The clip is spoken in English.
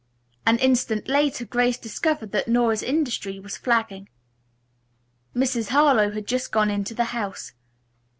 An instant later Grace discovered that Nora's industry was flagging. Mrs. Harlowe had just gone into the house.